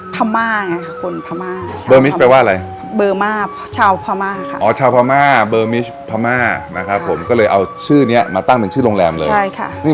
พม่าไงค่ะคนพม่าเบอร์มิสแปลว่าอะไรเบอร์มาชาวพม่าค่ะอ๋อชาวพม่าเบอร์มิชสพม่านะครับผมก็เลยเอาชื่อเนี้ยมาตั้งเป็นชื่อโรงแรมเลยใช่ค่ะ